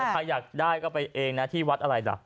ใครอยากได้ก็ไปเองนะที่วัดอะไรล่ะ